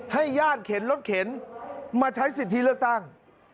ให้ย่ารเข็นรถเข็นมาใช้สินทีเลือกตั้ง